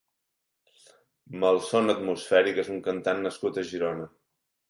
Malson Atmosfèric és un cantant nascut a Girona.